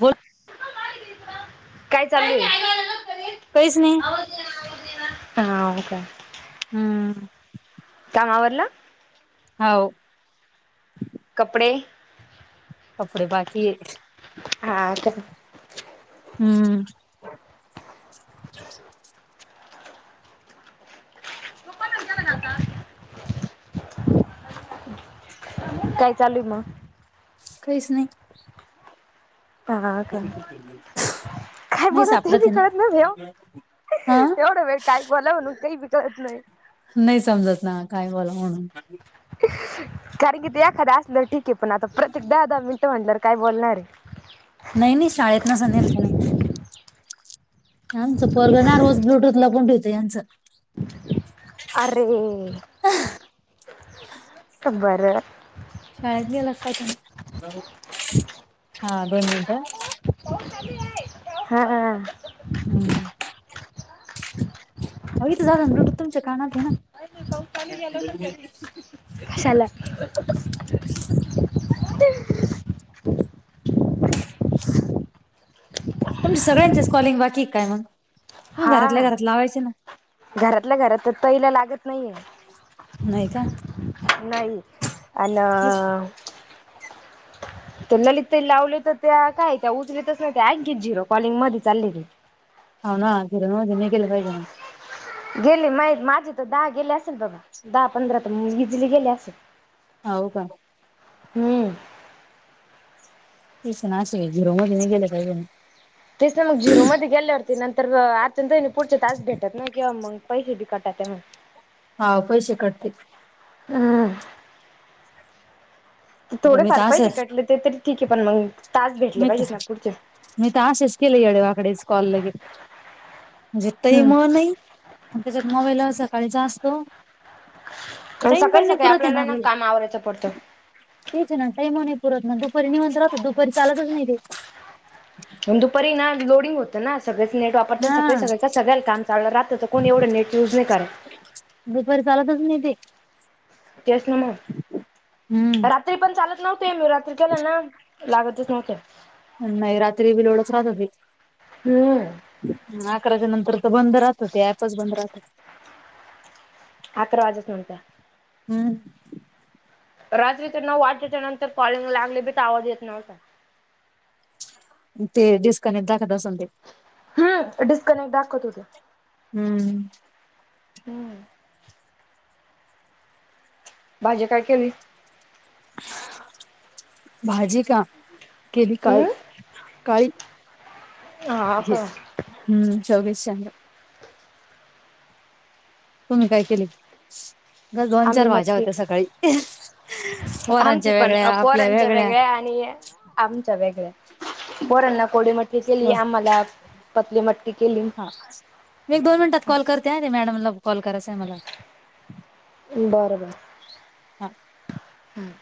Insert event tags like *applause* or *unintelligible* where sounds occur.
बोल.. *unintelligible* काहीच नाही.. *unintelligible* हम्म.. काम आवरलं हाव.. कपडे? कपडे बाकी आहेत. हा करा हम्म.. *unintelligible* *unintelligible* काय चालूय मग? काहीच नाही.. हा का? काय नाही बोला ते सापडत बी आहे ना कळत नाय हा *inaudible* एवढं वेळ काय बोलाव म्हणून काही बी कळत नाही. नाही समजत ना काय बोलाव म्हणून.. कारण की ते एखादं असलं ठीक आहे पण आता प्रत्येक दहा दहा मिनटं म्हंटल्यावर काय बोलणारे.. नाही नाही शाळेत नसेल नेलं त्यानी यांचं पोरग ना रोज ब्लूटूथ लपवून ठेवतंय यांचं अरे! बर.. शाळेत गेलासा काय? हम्.. हा दोन मिनिट हा हा हा... हम्म अ झालं ब्लूटूथ तुमच्या कानात आहे ना. कशाला? तुमच्या सगळ्यांचच कॉलिंग बाकी काय मग? मग हा घरातल्या घरात लावायचे ना घरातल्या घरात तईला लागत नाहीेये.. नाही का नाही अन तर ललित लावले तर त्या काय त्या उचलतच नाही त्या आणखीन झिरो कॉलिंग मध्ये चाललेली.. *unintelligible* गेले मा माझे तर दहा गेले असेल बाबा दहा पंधरा तर इझिली गेले असेल.. हाव का? हम्म. तेच ना असय *unintelligible* तेस ना मग, झिरो मध्ये गेल्यावरती नंतर *unintelligible* पुढचे तास भेटत ना किंवा मग पैसे भी काटाते मग हा पैसे कटतेत. हम्म, थोडे मी फार तर पैसे असं कटले ते तरी ठीक आहे. पण मग टास्क भेटले मी पाहिजेत तर ना पुढचे. मी तर अशेच केले, येडे वाकडेच कॉल लगे. म्हणजे तही हम्म मूळ नाही. त्याच्यात मोबाईल सकाळीचा असतो. आणि टाइम सकाळी पण नाही सकाळी पुरत आहे आपल्याला ना काम आवरायचं पडतं. तेच ना, टाईम हो नई पुरत ना. दुपारी निवांत राहतो, दुपारी चालतच नाही ते. पण दुपारी ना लोडिंग होतं ना सगळेच नेट *unintelligible* हा सग सगळ्याला काम चाललं राहत, रात्रीचं कोण एवढं नेट युज नाही करत. दुपारी चालतच नाही ते. तेस ना मग. हम्म रात्री पण चालत नव्हते. मी रात्री केला ना लागतच नव्हते. नाही रात्री बी लोडच राहतो बाई. हम्म अकराच्या नंतर तर बंद राहत ते, ऍपच बंद राहत. अकरा वाजेपर्यंत हम्म. रात्री तर ना *unintelligible* त्या नंतर कॉलिंग लागले बी, ते आवाज येत नव्हता. ते डिस्कनेक्ट दाखवत असन ते. हा डिस्कनेक्ट दाखत होते. हम्म. हम्म. भाजी काय केली? भाजी का? केली काळी, हम्म काळी हा हे का? हम्म, शेवग्याची शेंगा. तुम्ही काय केलत? दोन, आम्ही चार भाज्या मटकी होत्या सकाळी. आमची पोरांच्या पण वेगळ्या आपल्या पोरांच्या वेगळ्या आणि आमच्या वेगळ्या पोरांना कोरडी मटकी केली, हो आम्हाला पतली मटकी केली. *unintelligible* मी एक, दोन मिनिटात कॉल करते हा, ते मॅडमला कॉल करायचंय मला. बरं बरं. हा हम्म.